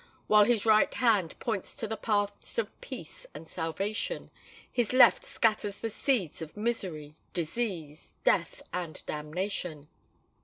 While his right hand points to the paths of peace and salvation, his left scatters the seeds of misery, disease, death, and damnation!